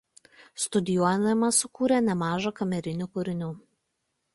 Studijuodamas sukūrė nemaža kamerinių kūrinių.